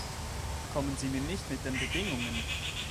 Kommen Sie mir nicht mit den Bedingungen!